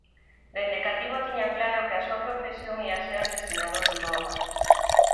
Dende cativo tiña claro que a súa profesión ía ser deseñador de moda.